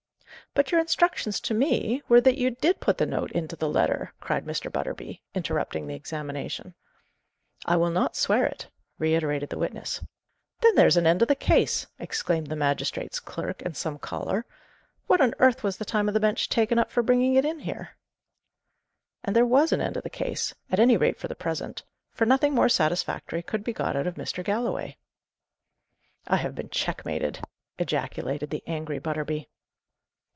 "But your instructions to me were that you did put the note into the letter," cried Mr. Butterby, interrupting the examination. "I will not swear it," reiterated the witness. "Then there's an end of the case!" exclaimed the magistrates' clerk, in some choler. "What on earth was the time of the bench taken up for in bringing it here?" And there was an end of the case at any rate for the present for nothing more satisfactory could be got out of Mr. Galloway. "I have been checkmated," ejaculated the angry Butterby.